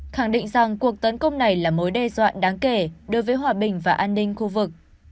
khẳng định rằng cuộc tấn công này là mối đe dọa đáng kể đối với hòa bình và an ninh khu vực